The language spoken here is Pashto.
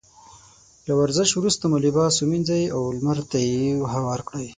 له ورزش وروسته مو لباس ومينځئ او لمر ته يې هوار کړئ.